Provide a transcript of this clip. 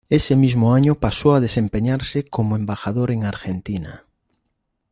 Ese mismo año pasó a desempeñarse como embajador en Argentina.